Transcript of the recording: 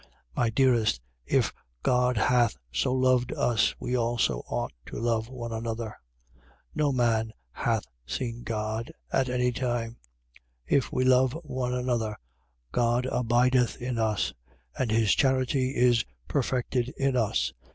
4:11. My dearest, if God hath so loved us, we also ought to love one another. 4:12. No man hath seen God at any time. If we love one another, God abideth in us: and his charity is perfected in us.